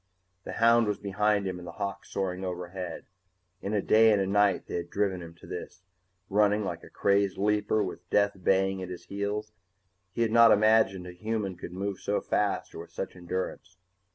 The hound was behind him and the hawk soaring overhead. In a day and a night they had driven him to this, running like a crazed leaper with death baying at his heels he had not imagined a human could move so fast or with such endurance.